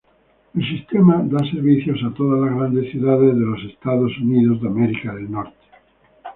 El Sistema da servicio a todas las grandes ciudades de Estados Unidos.